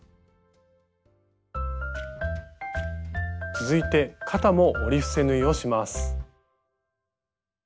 続いて肩も折り伏せ縫いをします。